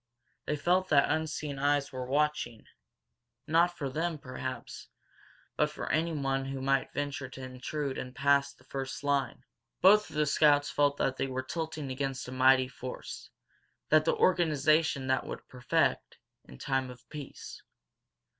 They felt that unseen eyes were watching, not for them, perhaps, but for anyone who might venture to intrude and pass the first line. Both of the scouts felt that they were tilting against a mighty force, that the organization that would perfect, in time of peace.